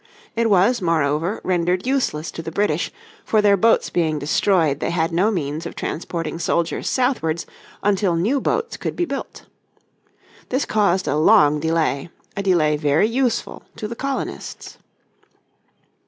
It was, moreover, rendered useless to the British, for their boats being destroyed they had no means of transporting soldiers southwards until new boats could be built. This caused a long delay, a delay very useful to the colonists.